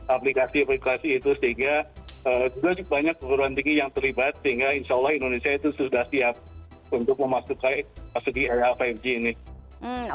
aplikasi aplikasi itu sehingga juga banyak perguruan tinggi yang terlibat sehingga insya allah indonesia itu sudah siap untuk memasuki segi lima g ini